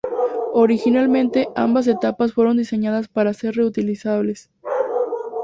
Originalmente ambas etapas fueron diseñadas para ser reutilizables.